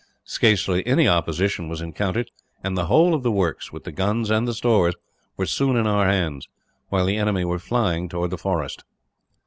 Scarcely any opposition was encountered, and the whole of the works, with the guns and the stores, were soon in our hands; while the enemy were flying towards the forest.